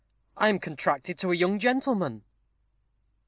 I am contracted To a young gentleman.